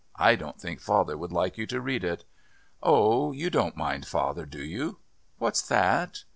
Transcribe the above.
I don't think father would like you to read it." "Oh, you don't mind, father, do you?" "What's that?"